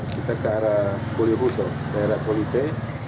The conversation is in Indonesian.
kita ke arah bolibuso daerah polite